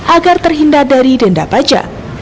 agar terhindar dari denda pajak